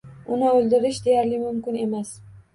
Uni o‘ldirish, deyarli mumkin emas!